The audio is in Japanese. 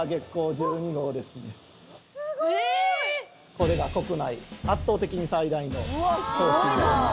これが国内圧倒的に最大の装置になります